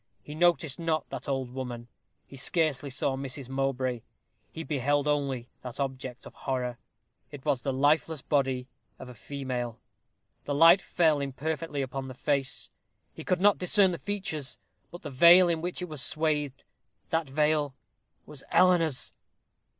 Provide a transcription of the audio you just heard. He noticed not that old woman; he scarcely saw Mrs. Mowbray; he beheld only that object of horror. It was the lifeless body of a female. The light fell imperfectly upon the face; he could not discern the features, but the veil in which it was swathed: that veil was Eleanor's!